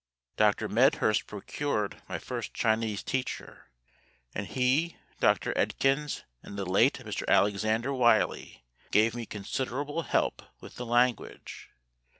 Dr. Medhurst procured my first Chinese teacher; and he, Dr. Edkins, and the late Mr. Alexander Wylie gave me considerable help with the language.